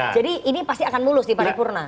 jadi ini pasti akan mulus di pari purna